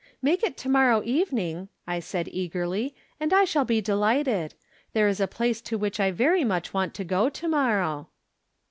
" Make it to morrow evening," I said, eagerly, "and I shall be delighted. There is a place to which I very much want to go, to morrow."